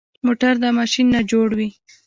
موټر د ماشین نه جوړ وي.